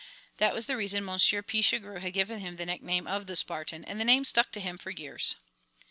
That was the reason Monsieur Pichegru had given him the nickname of "The Spartan," and the name stuck to him for years.